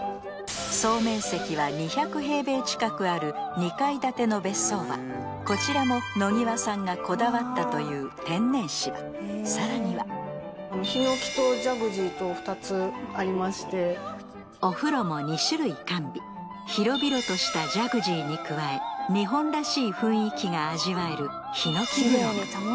総面積は２００平米近くある２階建ての別荘はこちらも野際さんがこだわったという天然芝さらにはありましてお風呂も２種類完備広々としたジャグジーに加え日本らしい雰囲気が味わえるヒノキ風呂